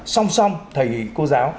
song song thầy cô giáo